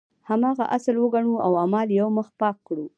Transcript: هماغه اصل وګڼو او اعمال یو مخ پاک کړو.